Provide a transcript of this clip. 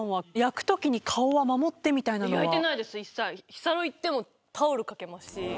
日サロ行ってもタオルかけますし。